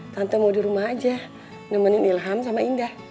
tante mau di rumah aja nemenin ilham sama indah